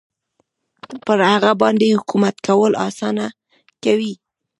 پر هغه باندې حکومت کول اسانه کوي.